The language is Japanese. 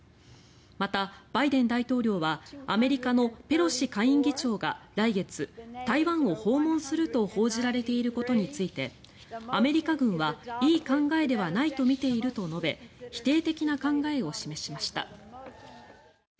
また、バイデン大統領はアメリカのペロシ下院議長が来月、台湾を訪問すると報じられていることについてアメリカ軍はいい考えではないとみていると述べ否定的な考えを示しました。